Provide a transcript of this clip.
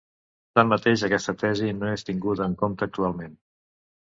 Tanmateix aquesta tesi no és tinguda en compte actualment.